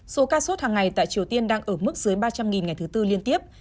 số ca sốt hàng ngày tại triều tiên đang ở mức dưới ba trăm linh ngày thứ tư liên tiếp